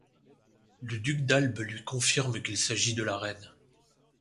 Le duc d'Albe lui confirme qu'il s'agit de la reine.